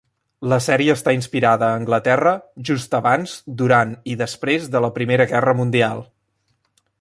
La sèrie està inspirada a Anglaterra just abans, durant i després de la Primera Guerra Mundial.